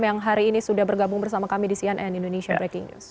yang hari ini sudah bergabung bersama kami di cnn indonesia breaking news